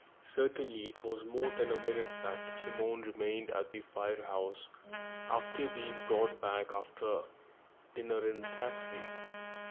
Certainly it was little more than a minute that Simone remained at the Phayre house after being brought back after dinner in a taxi.